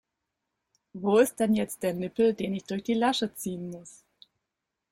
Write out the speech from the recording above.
Wo ist denn jetzt der Nippel, den ich durch die Lasche ziehen muss?